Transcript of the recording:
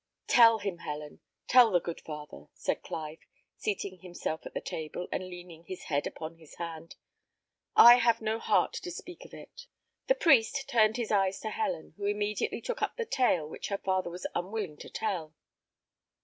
"Tell him, Helen tell the good father," said Clive, seating himself at the table, and leaning his head upon his hand. "I have no heart to speak of it." The priest turned his eyes to Helen, who immediately took up the tale which her father was unwilling to tell.